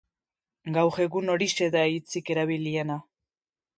Gaur egun horixe da hitzik erabiliena.